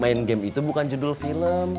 main game itu bukan judul film